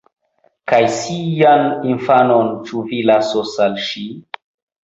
Kaj sian infanon ĉu vi lasos al ŝi?